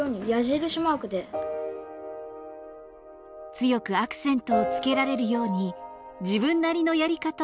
強くアクセントをつけられるように自分なりのやり方を編み出していました。